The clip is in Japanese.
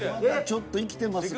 ちょっと生きてます。